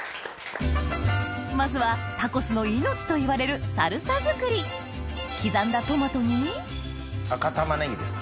まずはタコスの命といわれるサルサ作り刻んだトマトに赤タマネギですか。